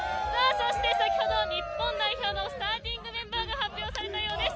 そして先ほど、日本代表のスターティングメンバーが発表されたようです。